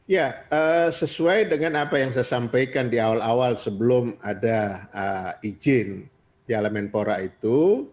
ya sesuai dengan apa yang saya sampaikan di awal awal sebelum ada izin piala menpora itu